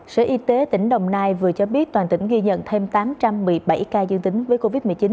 sở y tế tỉnh đồng nai vừa cho biết toàn tỉnh ghi nhận thêm tám trăm một mươi bảy ca dương tính với covid một mươi chín